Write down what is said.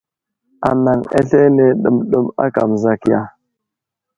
Anaŋ aslane ɗəmɗəm aka məzakiya.